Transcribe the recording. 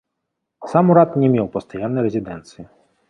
Сам ўрад не меў пастаяннай рэзідэнцыі.